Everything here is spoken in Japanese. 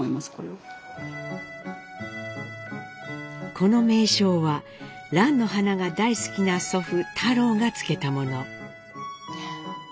この名称は蘭の花が大好きな祖父太郎が付けたもの。